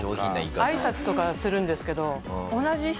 挨拶とかするんですけど。